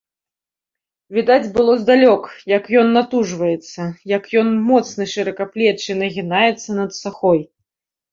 Відаць было здалёк, як ён натужваецца, як ён, моцны, шыракаплечы, нагінаецца над сахой.